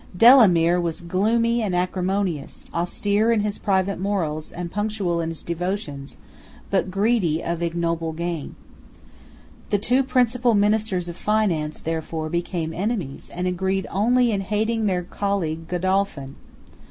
Delamere was gloomy and acrimonious, austere in his private morals, and punctual in his devotions, but greedy of ignoble gain. The two principal ministers of finance, therefore, became enemies, and agreed only in hating their colleague Godolphin.